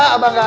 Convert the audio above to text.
abah gak ada